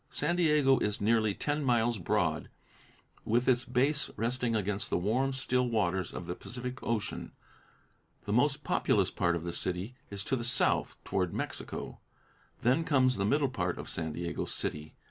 San Diego is nearly ten miles broad, with its base resting against the warm, still waters of the Pacific Ocean. The most populous part of the city is to the south, toward Mexico. Then comes the middle part of San Diego City.